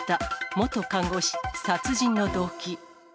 元看護師、殺人の動機。